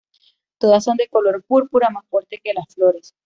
Todas son de color púrpura, más fuerte que las flores.